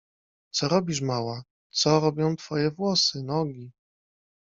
— Co robisz, mała? Co robią twoje włosy, nogi.